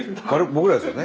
僕らですよね。